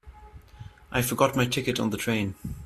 I forgot my ticket on the train.